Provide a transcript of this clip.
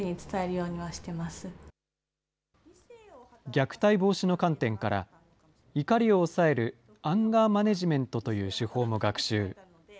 虐待防止の観点から、怒りを抑えるアンガーマネジメントという手法も学習。